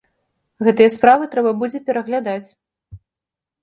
Гэтыя справы трэба будзе пераглядаць.